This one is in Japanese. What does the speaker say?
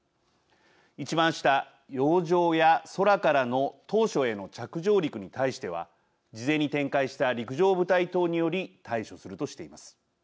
いちばん下、洋上や空からの島しょへの着上陸に対しては事前に展開した陸上部隊等により対処するとしています。